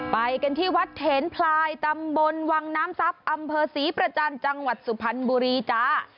ไปกันที่วัดเถนพลายตำบลวังน้ำทรัพย์อำเภอศรีประจันทร์จังหวัดสุพรรณบุรีจ้า